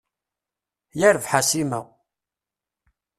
Yarbaḥ a Sima!